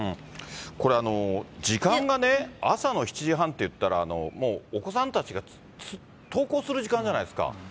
これ、時間がね、朝の７時半っていったら、もうお子さんたちが登校する時間じゃないですか。